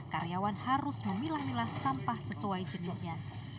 karyawan harus memilah milah sampah sesuai jenisnya